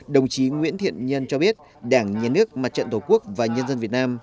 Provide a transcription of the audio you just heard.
đồng chí nguyễn thiện nhân cho biết đảng nhà nước mặt trận tổ quốc và nhân dân việt nam